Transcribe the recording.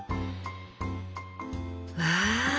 わあ！